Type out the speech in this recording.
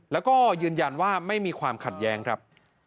แล้วก็ยืนยันว่าไม่มีความขัดแย้งครับ